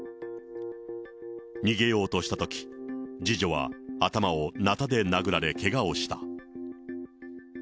逃げようとしたとき、次女は頭をなたで殴られ、けがをした。